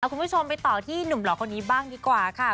คุณผู้ชมไปต่อที่หนุ่มหล่อคนนี้บ้างดีกว่าค่ะ